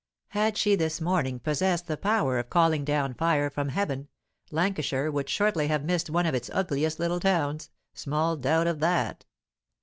Had she this morning possessed the power of calling down fire from heaven, Lancashire would shortly have missed one of its ugliest little towns; small doubt of that.